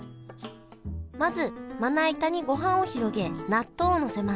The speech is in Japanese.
まずまな板にごはんを広げ納豆をのせます。